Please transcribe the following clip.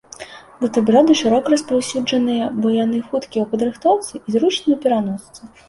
Бутэрброды шырока распаўсюджаныя, бо яны хуткія ў падрыхтоўцы і зручныя ў пераносцы.